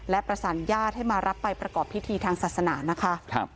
และประสานญาติให้มารับไปประกอบพิธีทางศาสนานะคะ